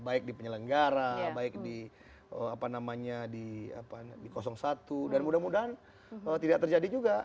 baik di penyelenggara baik di apa namanya di satu dan mudah mudahan tidak terjadi juga